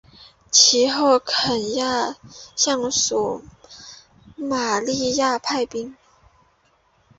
其后肯亚向索马利亚派兵。